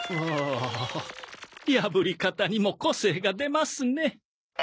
破り方にも個性が出ますね。